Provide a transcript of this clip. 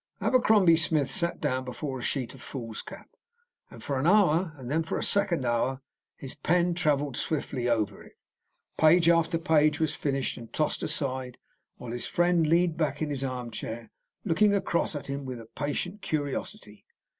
Abercrombie Smith sat down before a sheet of foolscap, and for an hour, and then for a second hour his pen travelled swiftly over it. Page after page was finished and tossed aside while his friend leaned back in his arm chair, looking across at him with patient curiosity.